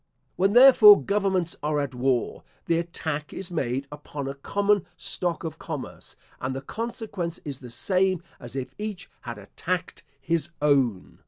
When, therefore, governments are at war, the attack is made upon a common stock of commerce, and the consequence is the same as if each had attacked his own.